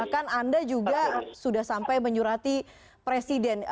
dan bahkan anda juga sudah sampai menyuruh hati presiden